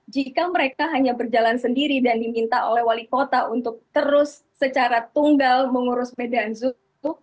jika mereka hanya berjalan sendiri dan diminta oleh wali kota untuk terus secara tunggal mengurus medan zoom